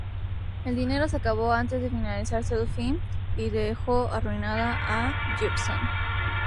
El dinero se acabó antes de finalizarse el film, y dejó arruinada a Gibson.